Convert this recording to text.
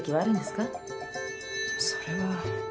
それは。